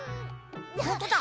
ほんとだ！